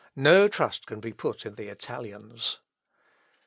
No trust can be put in the Italians."